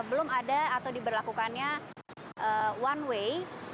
belum ada atau diberlakukannya one way